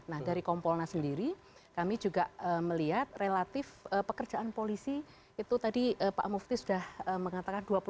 nah dari kompolnas sendiri kami juga melihat relatif pekerjaan polisi itu tadi pak mufti sudah mengatakan